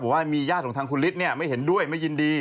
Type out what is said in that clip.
ว่ามีญาติของทางคุณฤทธิ์ไม่เห็นด้วยไม่ยินดี